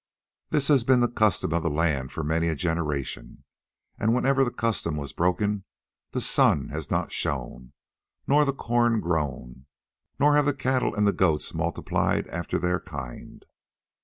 This has been the custom of the land for many a generation, and whenever that custom was broken then the sun has not shone, nor the corn grown, nor have the cattle and the goats multiplied after their kind.